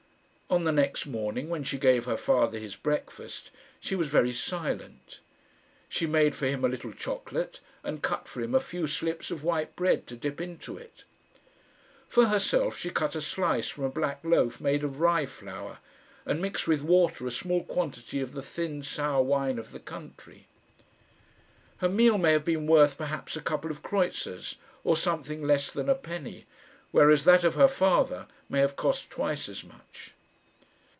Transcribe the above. On the next morning, when she gave her father his breakfast, she was very silent. She made for him a little chocolate, and cut for him a few slips of white bread to dip into it. For herself, she cut a slice from a black loaf made of rye flour, and mixed with water a small quantity of the thin sour wine of the country. Her meal may have been worth perhaps a couple of kreutzers, or something less than a penny, whereas that of her father may have cost twice as much.